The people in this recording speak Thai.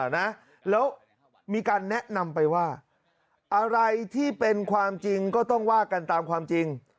นะแล้วมีการแนะนำไปว่าอะไรที่เป็นความจริงก็ต้องว่ากันตามความจริง